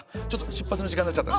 出発の時間になっちゃった。